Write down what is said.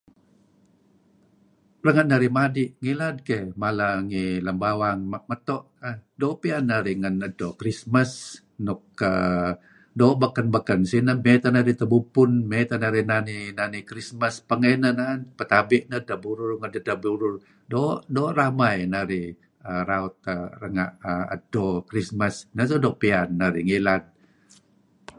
Renga' narih madi' ngilad keyh ala ngi lem bawang meto keyh doo' piyan narih ngen Edto Krismas nuk uhm doo' baken-baken sineh. May teh narih tebubpun may teh narih nani, nani Kristmas ngneh naen, petabi' edteh burur ngen edteh burur. Doo' ramai narih raut renga' Edto Krismas, Neh suk doo' piyan narih ngilad.